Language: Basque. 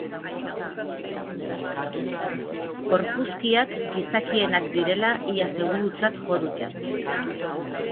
Gorpuzkiak gizakienak direla ia segurutzat jo dute.